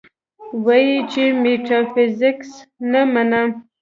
وې ئې چې ميټافزکس نۀ منم -